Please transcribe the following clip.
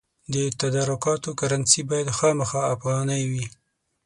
د تدارکاتو کرنسي باید خامخا افغانۍ وي.